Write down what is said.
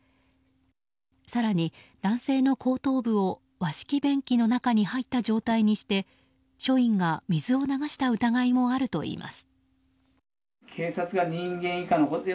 更に、男性の後頭部を和式便器の中に入った状態にして署員が水を流した疑いもあるといいます。